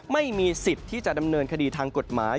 ไม่มีสิทธิ์ที่จะดำเนินคดีทางกฎหมาย